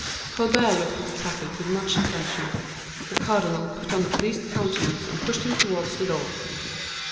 Colbert looked at the packet with much attention; the cardinal put on a pleasant countenance and pushed him towards the door.